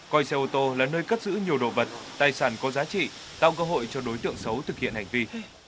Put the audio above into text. coi xe ô tô là nơi cất giữ nhiều đồ vật tài sản có giá trị tạo cơ hội cho đối tượng xấu thực hiện hành vi